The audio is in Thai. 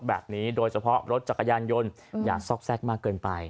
แบบนี้โดยเฉพาะรถจักรยานยนต์อย่าซอกแทรกมากเกินไป